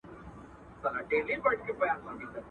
جهاني ستا چي یې په وینو کي شپېلۍ اودلې.